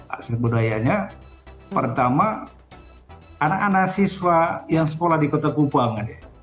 aset budayanya pertama anak anak siswa yang sekolah di kota kupang